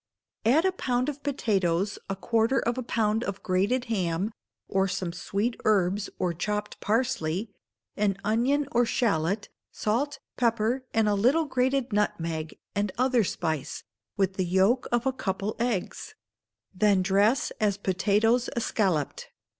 Add to a pound of potatoes a quarter of a pound of grated ham, or some sweet herbs, or chopped parsley, an onion or shalot, salt, pepper, and a little grated nutmeg, and other spice, with the yolk of a couple of eggs; then dress as Potatoes Escalloped.